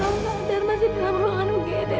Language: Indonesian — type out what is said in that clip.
lalu dokter masih di dalam ruangan ug nek